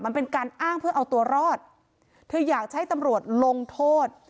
มันเป็นการอ้างเพื่อเอาตัวรอดเธออยากให้ตำรวจลงโทษ